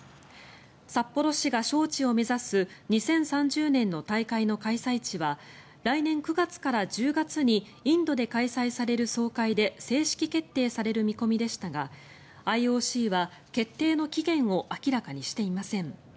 札幌市が招致を目指す２０３０年の大会の開催地は来年９月から１０月にインドで開催される総会で正式決定される見込みでしたがＩＯＣは決定の期限を明らかにしていません。